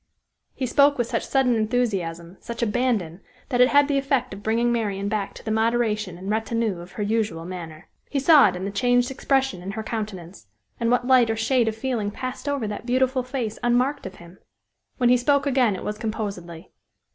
He spoke with such sudden enthusiasm, such abandon, that it had the effect of bringing Marian back to the moderation and retenue of her usual manner. He saw it in the changed expression of her countenance; and what light or shade of feeling passed over that beautiful face unmarked of him? When he spoke again it was composedly.